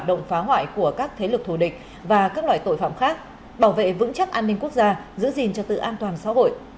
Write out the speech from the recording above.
có phần đấu tranh làm thất bại của các thế lực thù địch và các loại tội phạm khác bảo vệ vững chắc an ninh quốc gia giữ gìn cho tự an toàn xã hội